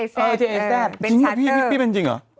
จริงหรอพี่พี่เป็นจริงหรอ